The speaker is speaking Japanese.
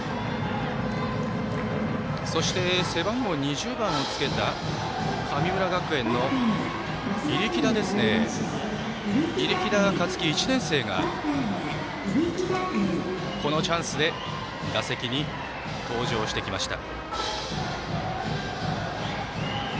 そして、背番号２０番をつけた神村学園の入耒田華月、１年生がこのチャンスで打席に登場してきました。